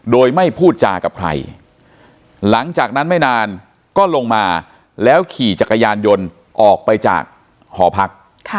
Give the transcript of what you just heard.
โดยไม่พูดจากับใครหลังจากนั้นไม่นานก็ลงมาแล้วขี่จักรยานยนต์ออกไปจากหอพัก